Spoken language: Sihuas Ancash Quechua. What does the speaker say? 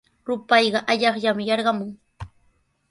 Rupayqa allaqllami yarqamun.